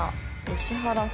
石原さん。